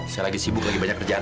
saya lagi sibuk lagi banyak kerjaan